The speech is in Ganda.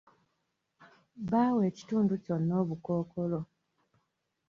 Baawa ekitundu kyonna obukookolo.